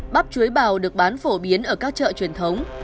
bắp chuối bào được bán phổ biến ở các chợ truyền thống